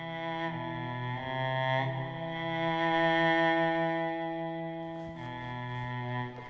saya tidak punya teman